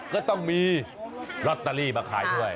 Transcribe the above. ก็ต้องมีลอตเตอรี่มาขายด้วย